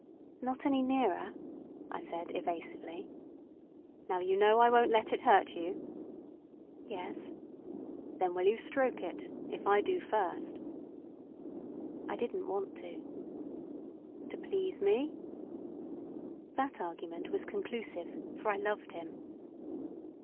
"Not any nearer," I said evasively. "Now you know I won't let it hurt you." "Yes." "Then will you stroke it, if I do first?" I didn't want to. "To please me." That argument was conclusive, for I loved him.